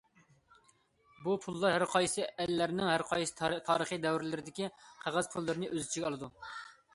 بۇ پۇللار ھەر قايسى ئەللەرنىڭ ھەر قايسى تارىخىي دەۋرلىرىدىكى قەغەز پۇللىرىنى ئۆز ئىچىگە ئالىدۇ.